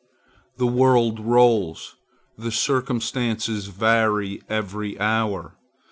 The world rolls; the circumstances vary every hour.